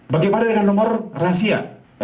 bagaimana dengan nomor rahasia